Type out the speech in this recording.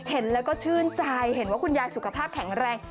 เห็นแล้วก็ชื่นใจเห็นว่าคุณยายสุขภาพแข็งแรง